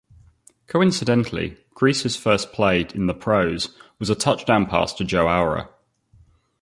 Coincidentally, Griese's first play in the pros was a touchdown pass to Joe Auer.